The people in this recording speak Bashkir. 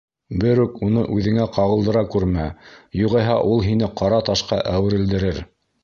Берүк уны үҙеңә ҡағылдыра күрмә, юғиһә ул һине ҡара ташҡа әүерелдерер.